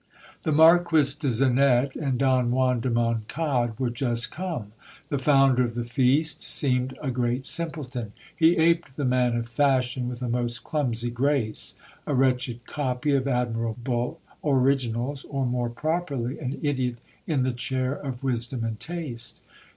The Marquis de Zenette and Don Juan de Moncade were just come. The founder of the feast seemed a great simpleton. He aped the man of fashion with a most clumsy grace ; a wrached copy of admirable originals, or, more properly, an idiot in the chair of wisdom and taste.